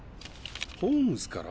ホームズから？